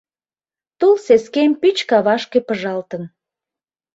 Тул сескем пич кавашке пыжалтын.